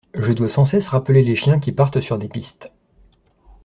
Je dois sans cesse rappeler les chiens qui partent sur des pistes.